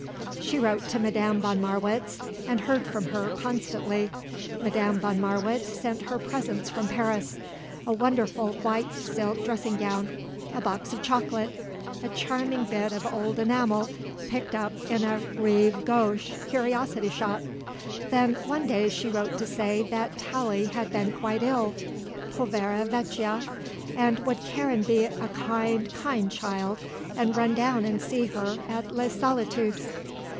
She wrote to Madame von Marwitz, and heard from her, constantly. Madame von Marwitz sent her presents from Paris; a wonderful white silk dressing gown; a box of chocolate; a charming bit of old enamel picked up in a rive gauche curiosity shop. Then one day she wrote to say that Tallie had been quite ill povera vecchia and would Karen be a kind, kind child and run down and see her at Les Solitudes.